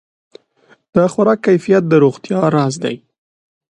د خوراک کیفیت د روغتیا راز دی.